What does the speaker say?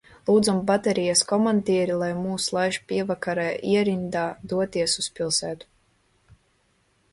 Lūdzām baterijas komandieri, lai mūs laiž pievakarē ierindā doties uz pilsētu.